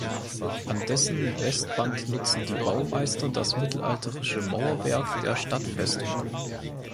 Als dessen Westwand nutzen die Baumeister das mittelalterliche Mauerwerk der Stadtbefestigung.